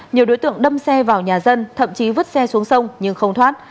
nhiều đối tượng đâm xe vào nhà dân thậm chí vứt xe xuống sông nhưng không thoát